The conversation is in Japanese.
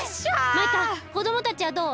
マイカこどもたちはどう？